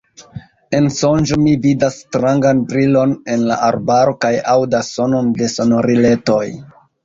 En sonĝo mi vidas strangan brilon en la arbaro kaj aŭdas sonon de sonoriletoj.